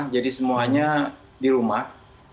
jadi semuanya di rumah